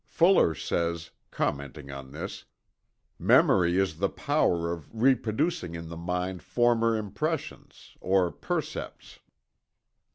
Fuller says, commenting on this: "Memory is the power of reproducing in the mind former impressions, or percepts.